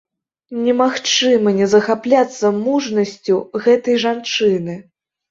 Немагчыма не захапляцца мужнасцю гэтай жанчыны.